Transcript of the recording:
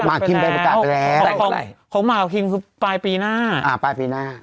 ม่ากคริมก็ประกาศไปแล้ว